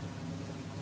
seperti selama ini